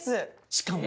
しかも。